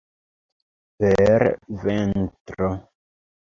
Per ventro!